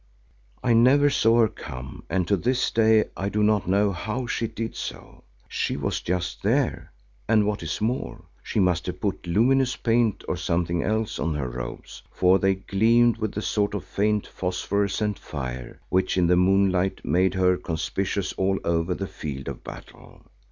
I never saw her come and to this day I do not know how she did so; she was just there and what is more she must have put luminous paint or something else on her robes, for they gleamed with a sort of faint, phosphorescent fire, which in the moonlight made her conspicuous all over the field of battle.